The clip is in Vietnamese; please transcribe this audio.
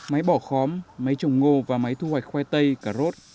máy bỏ khóm máy trồng ngô và máy thu hoạch khoai tây cà rốt